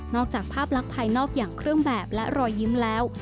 จากภาพลักษณ์ภายนอกอย่างเครื่องแบบและรอยยิ้มแล้ว